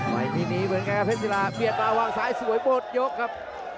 วันนี้เหมือนกันครับเพซิลาเปียดมาวางซ้ายสวยบดยกครับ